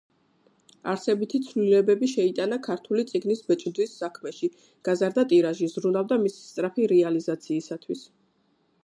არსებითი ცვლილებები შეიტანა ქართული წიგნის ბეჭდვის საქმეში, გაზარდა ტირაჟი, ზრუნავდა მისი სწრაფი რეალიზაციისათვის.